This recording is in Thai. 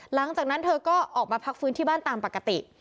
หลังจากนั้นเธอก็ออกมาพักฟื้นที่บ้านตามปกติ